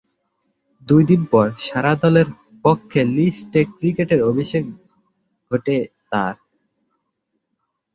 দুই দিন পর সারে দলের পক্ষে লিস্ট এ ক্রিকেটে অভিষেক ঘটে তার।